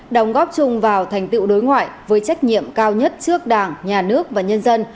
đồng góp chung vào thành tựu đối ngoại với trách nhiệm cao nhất trước đảng nhà nước và nhân dân